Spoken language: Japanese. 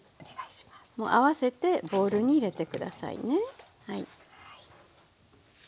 もう合わせてボウルに入れて下さいね。